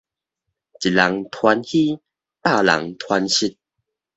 一人傳虛，百人傳實